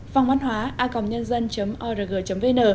phong văn hóa a org vn